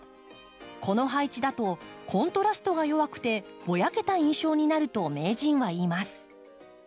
この配置だとコントラストが弱くてぼやけた印象になると名人は言います。